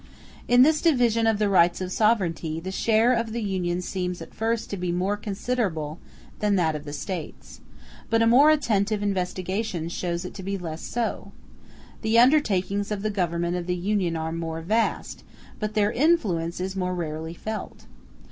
In this division of the rights of sovereignty, the share of the Union seems at first sight to be more considerable than that of the States; but a more attentive investigation shows it to be less so. The undertakings of the Government of the Union are more vast, but their influence is more rarely felt.